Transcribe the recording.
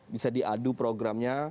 bisa diadu programnya